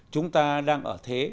chúng ta đang ở thế giới